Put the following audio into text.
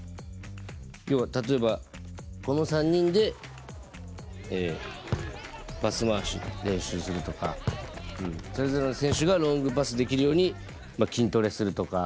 要は例えばこの３人でパス回しの練習するとかそれぞれの選手がロングパスできるように筋トレするとか。